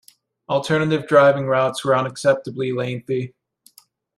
Alternative driving routes were unacceptably lengthy.